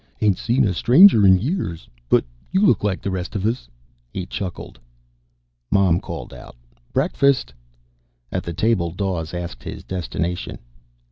"Ain't seen a stranger in years. But you look like the rest of us." He chuckled. Mom called out: "Breakfast!" At the table, Dawes asked his destination.